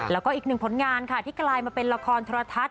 แล้วก็อีกหนึ่งผลงานค่ะที่กลายมาเป็นละครโทรทัศน